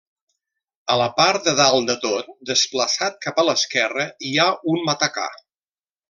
A la part de dalt de tot, desplaçat cap a l'esquerra, hi ha un matacà.